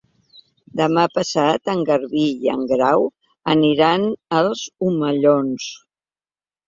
Demà passat en Garbí i en Grau aniran als Omellons.